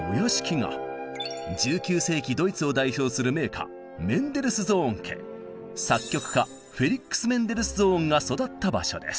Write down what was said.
１９世紀ドイツを代表する名家作曲家フェリックス・メンデルスゾーンが育った場所です。